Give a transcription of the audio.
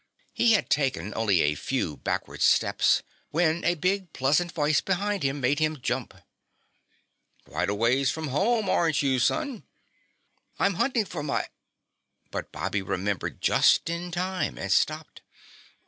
He had taken only a few backward steps when a big pleasant voice behind him made him jump. "Quite a ways from home, aren't you, son?" "I'm hunting my ," but Bobby remembered just in time and stopped.